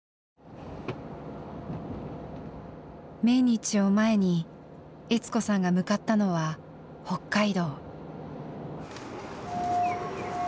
命日を前に悦子さんが向かったのは北海道。